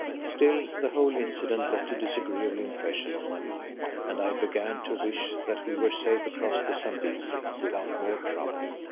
Still, the whole incident left a disagreeable impression on my mind, and I began to wish that we were safe across the Zambesi without more trouble.